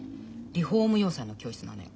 リフォーム洋裁の教室なのよ。